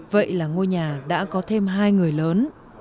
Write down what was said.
vậy là ngôi nhà đã có thêm hai người lớn